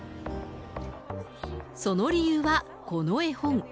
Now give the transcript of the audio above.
その理由は、この絵本。